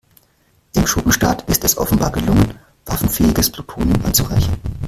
Dem Schurkenstaat ist es offenbar gelungen, waffenfähiges Plutonium anzureichern.